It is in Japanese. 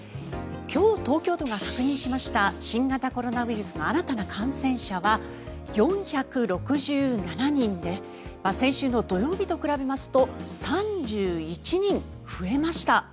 今日、東京都が確認しました新型コロナウイルスの新たな感染者は４６７人で先週の土曜日と比べますと３１人増えました。